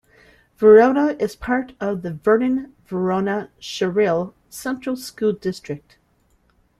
Verona is part of the Vernon-Verona-Sherrill Central School District.